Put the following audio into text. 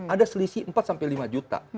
ada selisih empat sampai lima juta